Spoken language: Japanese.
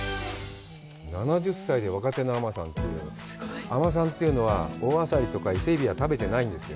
７０歳で若手の海女さんって、海女さんというのは、大アサリとか伊勢海老は食べてないんですよ。